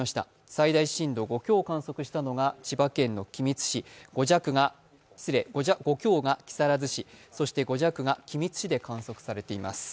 最大震度５強を観測したのが木更津市、５弱が君津市で観測されています。